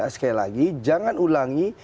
sekali lagi jangan ulangi